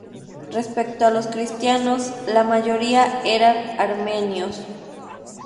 Respecto a los cristianos, la mayoría eran armenios.